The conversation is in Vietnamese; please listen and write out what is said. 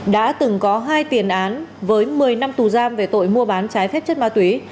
đã từng có hai tiền án với một mươi năm tù giam về tội mua bán trái phép chất ma túy